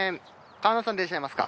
川名さんでいらっしゃいますか？